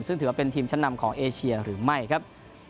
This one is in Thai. ซึ่งถือว่าเป็นทีมชั้นนำของเอเชียหรือไม่ครับ